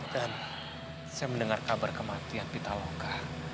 dan saya mendengar kabar kematian pitaloka